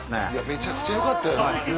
めちゃくちゃよかったよ。